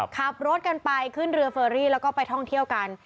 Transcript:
ขับรถกันไปขึ้นเรือเฟอรี่แล้วก็ไปท่องเที่ยวกัน